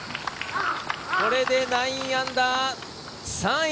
これで９アンダー３位